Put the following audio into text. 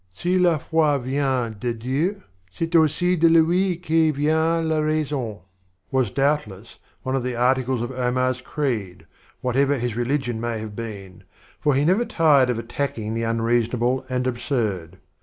"Si la foi vient de Dieu, c'est aussi de Lui que vient la raison," was doubtless one of the articles of Omar's creed, whatever his religion may have been, for he never tired of attacking the unrea sonable and absurd.